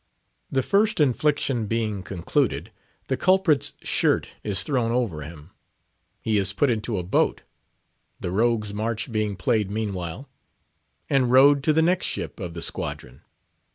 The first infliction being concluded, the culprit's shirt is thrown over him; he is put into a boat—the Rogue's March being played meanwhile—and rowed to the next ship of the squadron.